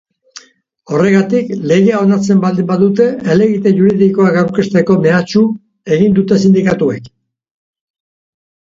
Horregatik, legea onartzen baldin badute helegite juridikoak aurkezteko mehatxu egin dute sindikatuek.